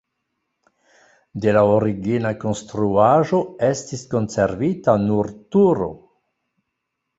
De la origina konstruaĵo estis konservita nur turo.